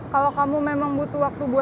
kalau kamu memang butuh waktu